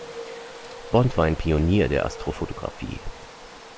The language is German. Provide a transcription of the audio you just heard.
Bond war ein Pionier der Astrofotografie.